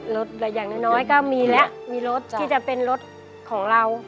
อย่างน้อยก็มีแล้วมีรถที่จะเป็นรถของเรา